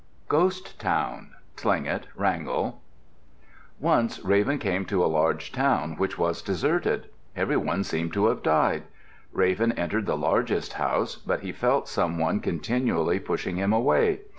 GHOST TOWN Tlingit (Wrangell) Once Raven came to a large town which was deserted. Every one seemed to have died. Raven entered the largest house, but he felt some one continually pushing him away.